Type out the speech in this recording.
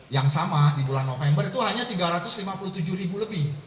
yang sama di bulan november itu hanya tiga ratus lima puluh tujuh ribu lebih